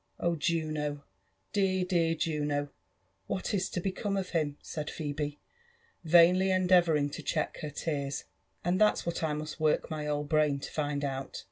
Oh, Juno ! dear, dear, Juno I what is to become of him?*' said Phebe, vainly endeavouring to check her tears. '' And that's what I must work my old brain to find out.